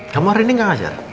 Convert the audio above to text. kamu hari ini gak ngajar